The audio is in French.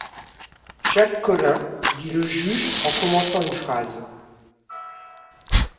Jacques Collin... dit le juge en commençant une phrase.